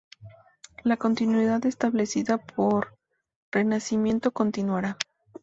La continuidad establecida por Renacimiento continuará.